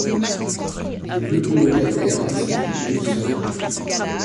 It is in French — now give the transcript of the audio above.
Les deux colocataires discutent donc seuls.